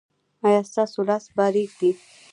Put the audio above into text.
ایا ستاسو لاس به ریږدي؟